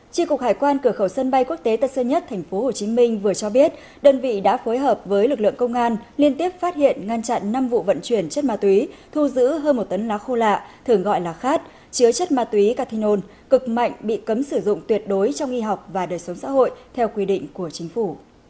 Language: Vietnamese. tri cục hải quan cửa khẩu sân bay quốc tế tân sơn nhất tp hcm vừa cho biết đơn vị đã phối hợp với lực lượng công an liên tiếp phát hiện ngăn chặn năm vụ vận chuyển chất ma túy thu giữ hơn một tấn lá khô lạ thường gọi là khát chứa chất ma túy cathinol cực mạnh bị cấm sử dụng tuyệt đối trong y học và đời sống xã hội theo quy định của chính phủ